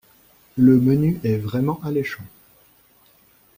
Le menu est vraiment alléchant.